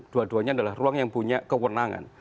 dua duanya adalah ruang yang punya kewenangan